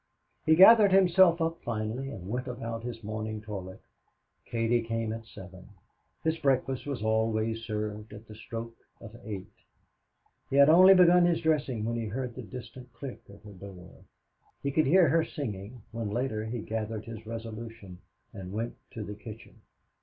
He gathered himself up finally and went about his morning toilet. Katie came at seven. His breakfast was always served at the stroke of eight. He had only begun his dressing when he heard the distant click of her door. He could hear her singing when, later, he gathered his resolution and went to the kitchen.